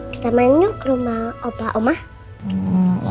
kita main yuk rumah opa oma